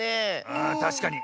あたしかに。